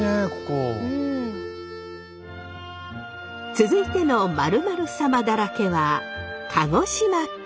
続いての〇〇サマだらけは鹿児島県。